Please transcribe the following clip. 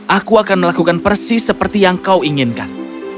aku akan melakukan persis seperti yang kau inginkan